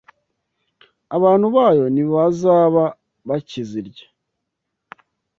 Abantu bayo ntibazaba bakizirya.